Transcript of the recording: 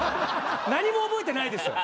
何も覚えてないですよ。